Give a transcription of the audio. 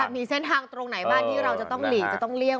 มีเส้นทางตรงไหนบ้างที่เราจะต้องหลีกจะต้องเลี่ย